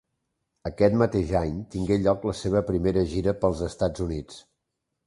Aquest mateix any tingué lloc la seva primera gira pels Estats Units.